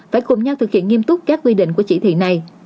phải cùng nhau thực hiện nghiêm túc các quy định của chỉ thị này